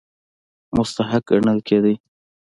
مستحق ګڼل کېدی.